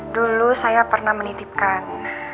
dulu saya pernah menitipkan